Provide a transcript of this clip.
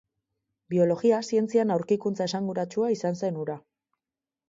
Biologia zientzian aurkikuntza esanguratsua izan zen hura.